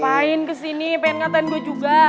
main kesini pengen ngatain gue juga